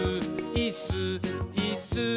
「いっすー！いっすー！